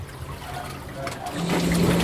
مړۍ د مور له خوا خوراک کيږي!